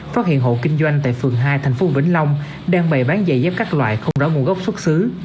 phát hiện hộ kinh doanh tại phường hai tp vĩnh long đang bày bán giày dép các loại không rõ nguồn gốc xuất xứ